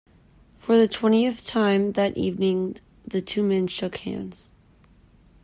For the twentieth time that evening the two men shook hands.